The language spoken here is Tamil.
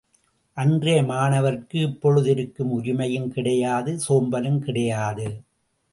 அன்றைய மாணவர்கட்கு இப்பொழுதிருக்கும் உரிமையும் கிடையாது சோம்பலும் கிடையாது.